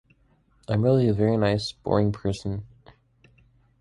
I'm really a very nice, boring person.